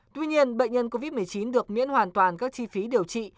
tuy nhiên bệnh nhân covid một mươi chín được miễn hoàn toàn các chi phí điều trị